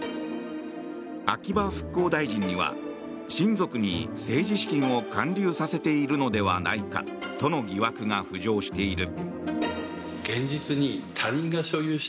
秋葉復興大臣には親族に政治資金を還流させているのではないかとの疑惑が浮上している。